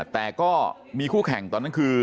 แต่ก็มีคู่แข่งตอนนั้นคือ